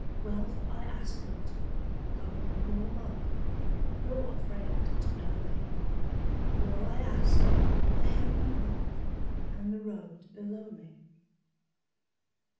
Wealth I ask not, hope nor love, Nor a friend to know me; All I ask, the heaven above And the road below me.